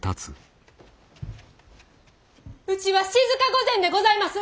うちは静御前でございます！